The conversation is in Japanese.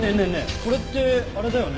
これってあれだよね？